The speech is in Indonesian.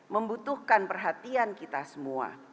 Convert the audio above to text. membutuhkan perhatian kita semua